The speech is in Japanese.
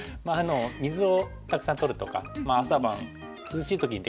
水をたくさんとるとか朝晩涼しい時に出かけると。